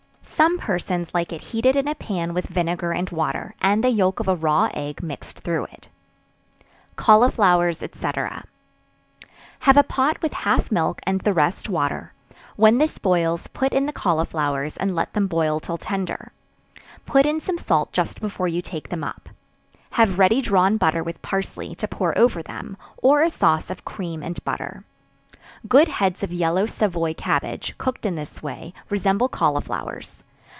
Some persons like it heated in a pan with vinegar and water, and the yelk of a raw egg mixed through it. Cauliflowers, &c. Have a pot with half milk, and the rest water; when this boils, put in the cauliflowers, and let them boil till tender; put in some salt just before you take them up; have ready drawn butter with parsley, to pour over them, or a sauce of cream and butter. Good heads of yellow Savoy cabbage, cooked in this way, resemble cauliflowers.